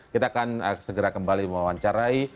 kita akan segera kembali mewawancarai